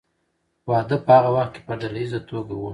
واده په هغه وخت کې په ډله ایزه توګه و.